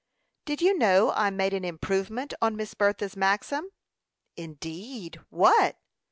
"Did you know I made an improvement on Miss Bertha's maxim?" "Indeed! What?"